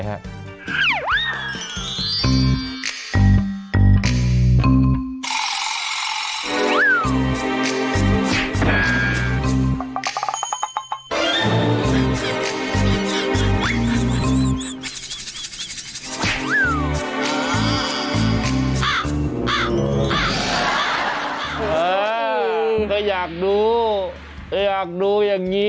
ก็อยากดูอย่างนี้ชอบว่ะจ๊ะก็อยากดูอย่างนี้